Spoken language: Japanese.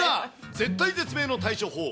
絶体絶命の対処法。